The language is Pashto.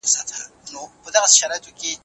وخت پیژندنه په هر کار کې مهمه ده.